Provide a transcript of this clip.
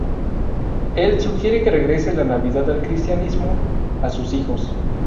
Él sugiere que regrese la Navidad al cristianismo, a sus hijos.